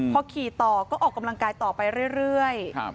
พอขี่ต่อก็ออกกำลังกายต่อไปเรื่อย